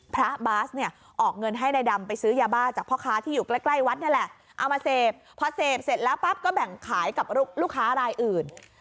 พระบาสเนี่ยออกเงินให้นายดำไปซื้อยาบ้าจากพ่อค้าที่อยู่ใกล้ใกล้วัดนี่แหละเอามาเสพพอเสพเสร็จแล้วปั๊บก็แบ่งขายกับลูกค้ารายอื่น